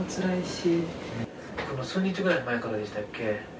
数日ぐらい前からでしたっけ